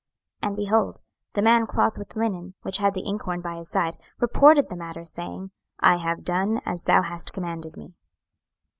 26:009:011 And, behold, the man clothed with linen, which had the inkhorn by his side, reported the matter, saying, I have done as thou hast commanded me.